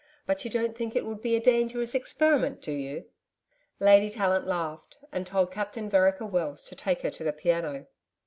But you don't think it would be a dangerous experiment, do you?' Lady Tallant laughed, and told Captain Vereker Wells to take her to the piano.